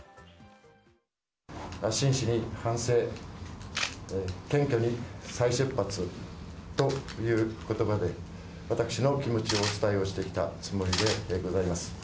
真摯に反省、謙虚に再出発ということばで、私の気持ちをお伝えをしてきたつもりでございます。